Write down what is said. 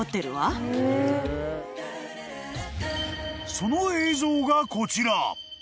［その映像がこちら］